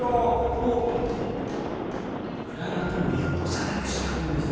もうクライアントにも容赦なく叱るんです。